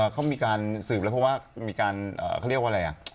เขามีการสืบแล้วเพราะว่ามีการเขาเรียกว่าอะไรอ่ะ